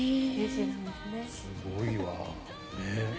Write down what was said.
すごいわ。